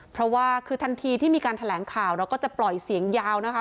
เพราะว่าคือทันทีที่มีการแถลงข่าวเราก็จะปล่อยเสียงยาวนะคะ